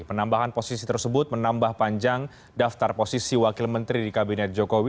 penambahan posisi tersebut menambah panjang daftar posisi wakil menteri di kabinet jokowi